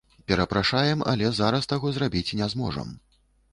Перапрашаем, але зараз таго зрабіць не зможам.